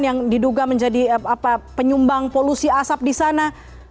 yang diduga menjadi penyumbang polusi asap di sana